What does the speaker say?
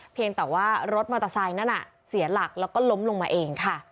เพียงแต่ว่ารถมอเตอร์ไซค์นั้นเสียหลักแล้วก็ล้มลงมาเองค่ะ